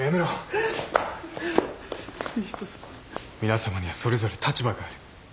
皆さまにはそれぞれ立場がある。